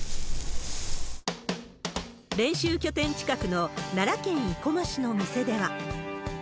練習拠点近くの奈良県生駒市の店では。